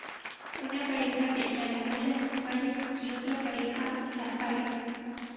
Una pareja tenía las bolas impares y otra pareja, las pares.